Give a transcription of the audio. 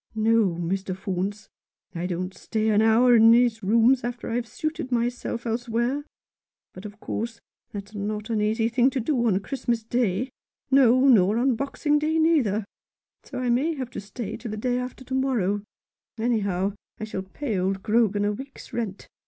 No, Mr. Faunce, I don't stay an hour in these rooms after I've suited myself else where ; but, of course, that's not an easy thing to do on Christmas Day — no, nor on Boxing Day neither; so I may have to stay till the day after IOI Rough Justice. to morrow. Anyhow, I shall pay old Grogan a week's rent.